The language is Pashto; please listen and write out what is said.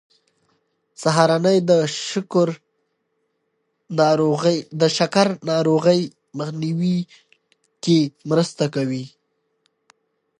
سهارنۍ د شکر ناروغۍ مخنیوی کې مرسته کوي.